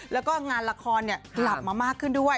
แล้วก็งานละครกลับมามากขึ้นด้วย